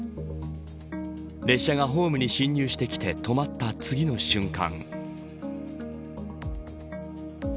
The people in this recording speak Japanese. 列車がホームに進入してきて止まった次の瞬間。